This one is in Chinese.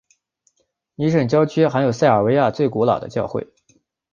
尼什郊区还有塞尔维亚最古老的教会。